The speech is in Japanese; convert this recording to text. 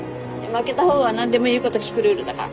負けた方が何でも言うこと聞くルールだから。